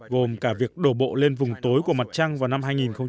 gồm cả việc đổ bộ lên vùng tối của mặt trăng vào năm hai nghìn một mươi tám